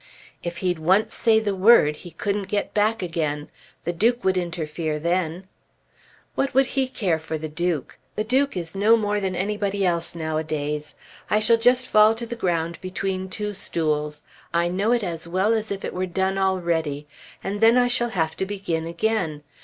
"If he'd once say the word he couldn't get back again. The Duke would interfere then." "What would he care for the Duke? The Duke is no more than anybody else nowadays. I shall just fall to the ground between two stools. I know it as well as if it were done already. And then I shall have to begin again!